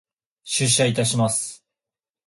出社いたします。